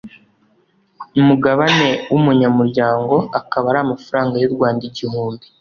umugabane w’umunyamuryango akaba ari amafaranga y’u Rwanda igihumbi